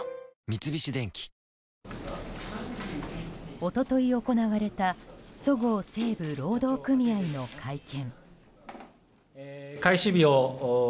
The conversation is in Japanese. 一昨日行われたそごう・西武労働組合の会見。